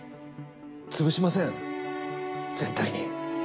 潰しません絶対に。